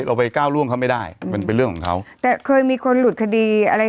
เราไปก้าวล่วงเขาไม่ได้มันเป็นเรื่องของเขาแต่เคยมีคนหลุดคดีอะไร